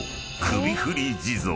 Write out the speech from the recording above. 首振地蔵